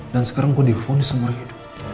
dan sekarang gue diponis seumur hidup